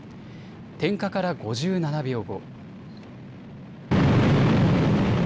点火から５７秒後。